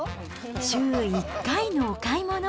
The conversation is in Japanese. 週１回のお買い物。